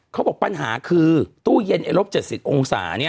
เขาบอกปัญหาคือตู้เย็นลบ๗๐องศาเนี่ย